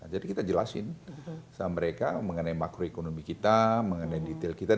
jadi kita jelasin sama mereka mengenai makroekonomi kita mengenai detail kita